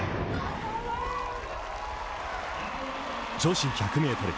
女子１００ｍ。